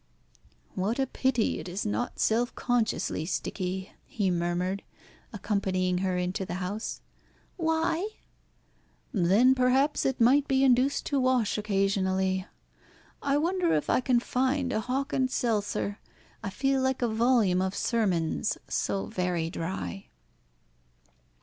"What a pity it is not self consciously sticky," he murmured, accompanying her into the house. "Why?" "Then perhaps it might be induced to wash occasionally. I wonder if I can find a hock and seltzer. I feel like a volume of sermons so very dry."